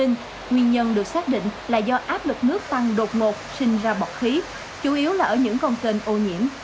nguyên nhân được xác định là do áp lực nước tăng đột ngột sinh ra bọt khí chủ yếu là ở những con kênh ô nhiễm